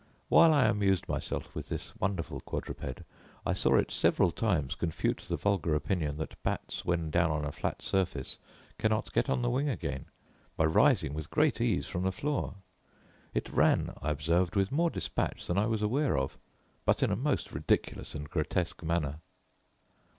While I amused myself with this wonderful quadruped, I saw it several times confute the vulgar opinion, that bats when down on a flat surface cannot get on the wing again, by rising with great ease from the floor. It ran, I observed, with more dispatch than I was aware of; but in a most ridiculous and grotesque manner.